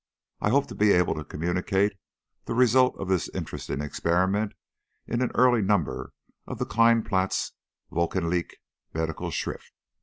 I hope to be able to communicate the result of this interesting experiment in an early number of the Keinplatz wochenliche Medicalschrift."